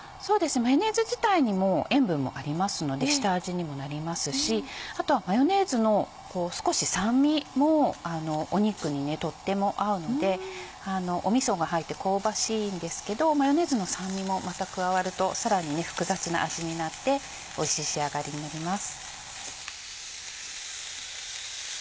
マヨネーズ自体にも塩分もありますので下味にもなりますしあとはマヨネーズの少し酸味も肉にとっても合うのでみそが入って香ばしいんですけどマヨネーズの酸味もまた加わるとさらに複雑な味になっておいしい仕上がりになります。